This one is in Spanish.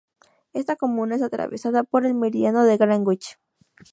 Esta comuna es atravesada por el Meridiano de Greenwich.